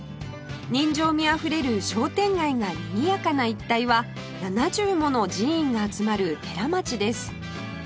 人情味あふれる商店街がにぎやかな一帯は７０もの寺院が集まる寺町です